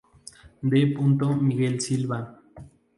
D. Miguel Silva.